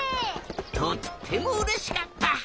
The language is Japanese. とってもうれしかった！